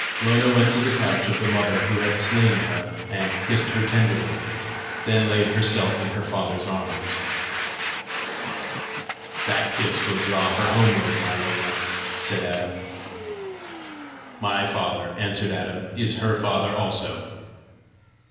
Lona went to the couch of the mother who had slain her, and kissed her tenderly then laid herself in her father's arms. "That kiss will draw her homeward, my Lona!" said Adam. "Who were her parents?" asked Lona. "My father," answered Adam, "is her father also."